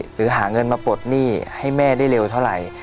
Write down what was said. หรือหาเงินมาปลดหนี้ให้แม่ได้เร็วเท่าไหร่